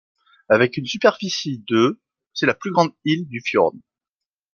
Avec une superficie de c'est la plus grande île du fjord.